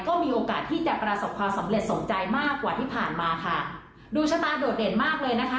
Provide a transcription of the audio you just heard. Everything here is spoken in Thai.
ก็มีโอกาสที่จะประสบความสำเร็จสมใจมากกว่าที่ผ่านมาค่ะดวงชะตาโดดเด่นมากเลยนะคะ